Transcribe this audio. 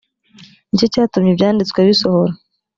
ni cyo cyatumye ibyanditswe bisohora .